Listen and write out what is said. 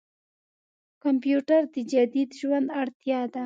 کمپيوټر د جديد ژوند اړتياده.